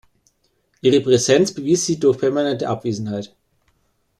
Ihre Präsenz bewies sie durch permanente Abwesenheit.